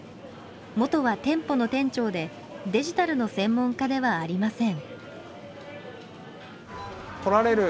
元は店舗の店長でデジタルの専門家ではありません。